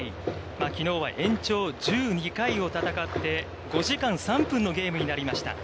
きのうは延長１２回を戦って、５時間３分のゲームになりました。